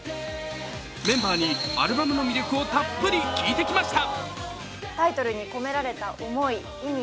メンバーにアルバムの魅力をたっぷり聞いてきました。